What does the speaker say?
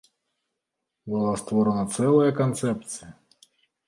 Была створаная цэлая канцэпцыя!